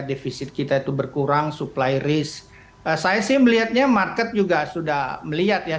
defisit kita itu berkurang supply risk saya sih melihatnya market juga sudah melihat ya